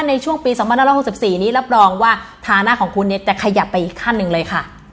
ในช่วงปี๒๕๖๔นี้รับรองว่าฐานะของคุณเนี่ยจะขยับไปอีกขั้นหนึ่งเลยค่ะ